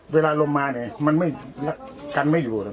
เวลาลมมาเนี่ยมันไม่ยัดกันไม่อยู่เปิดเลย